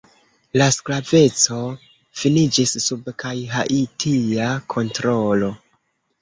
La sklaveco finiĝis sub kaj haitia kontrolo.